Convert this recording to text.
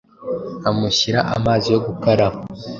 amushyira amazi yo gukaraba